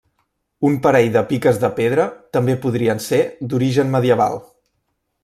Un parell de piques de pedra també podrien ser d'origen medieval.